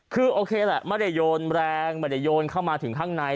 คือโอเคแหละไม่ได้โยนแรงไม่ได้โยนเข้ามาถึงข้างใน